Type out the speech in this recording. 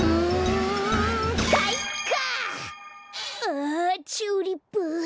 あチューリップ。